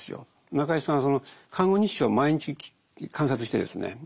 中井さんはその看護日誌を毎日観察してですね